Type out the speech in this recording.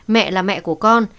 mẹ là mẹ của con